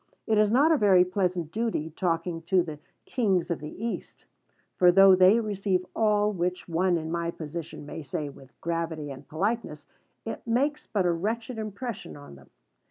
It is not a very pleasant duty talking to the "Kings of the East," for though they receive all which one in my position may say with gravity and politeness, it makes but a wretched impression on them.